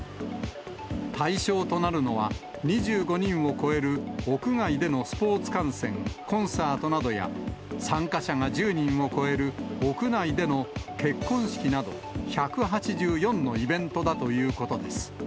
対象となるのは、２５人を超える屋外でのスポーツ観戦、コンサートなどや、参加者が１０人を超える屋内での結婚式など、１８４のイベントだということです。